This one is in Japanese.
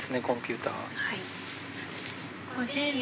５０秒。